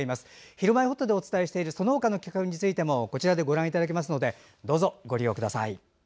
「ひるまえほっと」でお伝えしているその他の企画についてもこちらでご覧いただけますのでどうぞご利用ください。